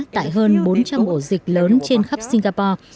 tại hơn bốn trăm linh ổ dịch lớn trên khắp singapore